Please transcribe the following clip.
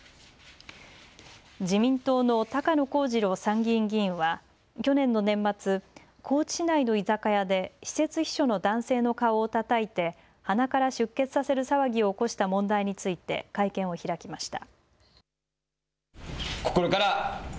自民党の高野光二郎参議院議員は去年の年末、高知市内の居酒屋で私設秘書の男性の顔をたたいて鼻から出血させる騒ぎを起こした問題について会見を開きました。